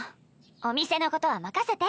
お店のことは任せて。